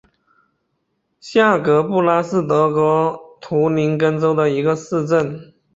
下格布拉是德国图林根州的一个市镇。